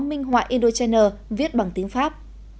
minh hoại indochina viết bằng tiếng pháp